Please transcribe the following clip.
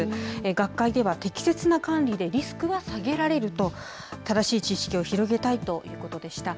学会では、適切な管理でリスクは下げられると、正しい知識を広げたいということでした。